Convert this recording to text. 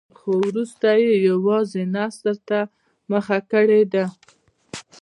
خو وروسته یې یوازې نثر ته مخه کړې ده.